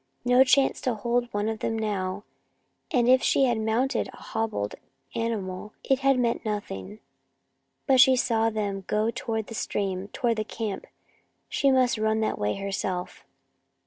No chance to hold one of them now, and if she had mounted a hobbled animal it had meant nothing. But she saw them go toward the stream, toward the camp. She must run that way herself.